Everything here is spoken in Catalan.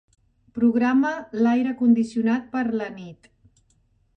Programa l'aire condicionat per a la nit.